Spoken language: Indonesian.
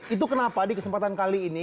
itu kenapa di kesempatan kali ini